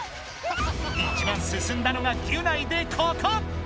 一番すすんだのがギュナイでココ！